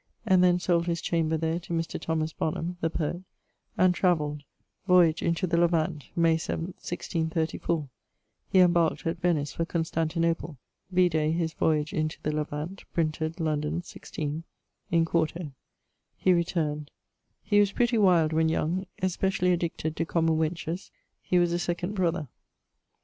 and then sold his chamber there to Mr. Thomas Bonham[AT] (the poet) and travelled voyage into the Levant. May 7, 1634, he embarqued at Venice for Constantinople: vide his Voyage into the Levant, printed London 16 , in 4to. He returned.... He was pretty wild when young, especially addicted to common wenches. He was a 2d brother.